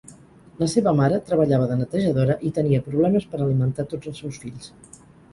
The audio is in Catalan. La seva mare treballava de netejadora i tenia problemes per alimentar tots els seus fills.